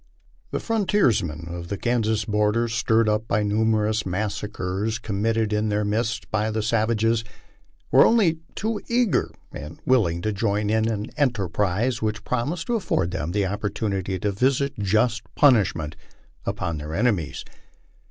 The frontiersmen of the Kansas border, stirred up by numerous massacres committed in their midst by the savages, were only too eager and willing to join in an enterprise which promised to afford them an opportunity to visit just punishment upon their enemies.